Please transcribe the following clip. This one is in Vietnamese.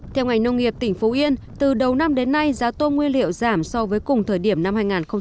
theo ngành nông nghiệp tỉnh phú yên từ đầu năm đến nay giá tôm nguyên liệu giảm so với cùng thời điểm năm hai nghìn một mươi tám